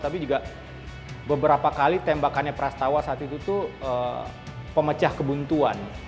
tapi juga beberapa kali tembakannya prastawa saat itu tuh pemecah kebuntuan